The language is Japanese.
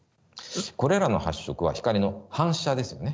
これらの発色は光の反射ですよね。